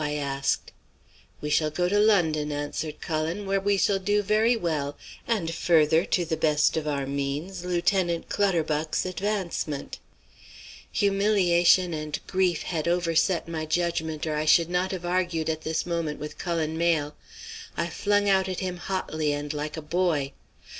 I asked. "'We shall go to London,' answered Cullen, 'where we shall do very well, and further to the best of our means Lieutenant Clutterbuck's advancement.' "Humiliation and grief had overset my judgment or I should not have argued at this moment with Cullen Mayle. I flung out at him hotly, and like a boy.